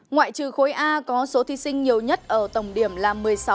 ngoại trừ khối a có số thí sinh nhiều nhất ở tổng điểm là một mươi sáu hai mươi năm